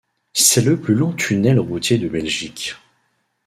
C'est le plus long tunnel routier de Belgique.